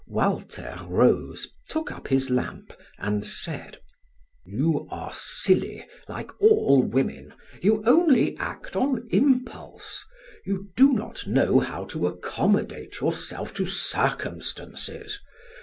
Walter rose, took up his lamp, and said: "You are silly, like all women! You only act on impulse. You do not know how to accommodate yourself to circumstances.